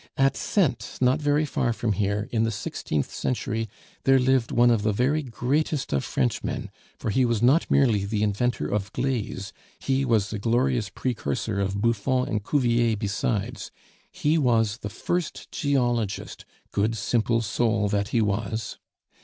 "At Saintes, not very far from here, in the sixteenth century, there lived one of the very greatest of Frenchmen, for he was not merely the inventor of glaze, he was the glorious precursor of Buffon and Cuvier besides; he was the first geologist, good, simple soul that he was.